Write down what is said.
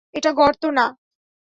এটা গর্ত না?